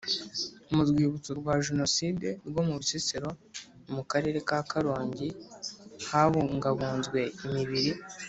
Mu rwibutso rwa Jenoside rwo mu Bisesero mu Karere ka Karongi habungabunzwe imibiri